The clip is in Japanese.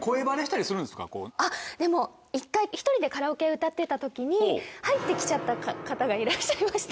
でも一回１人でカラオケ歌ってた時に入って来ちゃった方がいらっしゃいました。